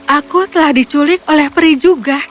aku telah diculik oleh peri juga